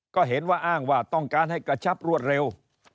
ก็เห็นว่าอ้างว่าต้องการให้กระชับรวดเร็ว